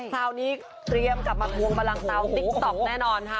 คราวนี้เตรียมกลับมาทวงบันลังเตาติ๊กต๊อกแน่นอนค่ะ